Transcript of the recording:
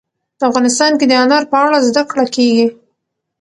افغانستان کې د انار په اړه زده کړه کېږي.